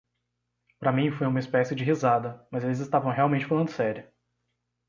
Para mim foi uma espécie de risada, mas eles estavam realmente falando sério.